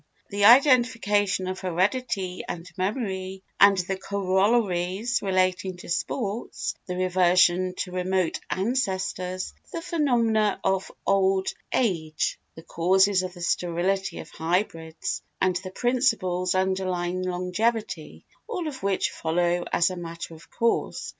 The identification of heredity and memory and the corollaries relating to sports, the reversion to remote ancestors, the phenomena of old age, the causes of the sterility of hybrids and the principles underlying longevity—all of which follow as a matter of course.